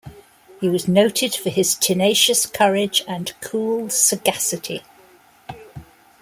He was noted for his tenacious courage and cool sagacity.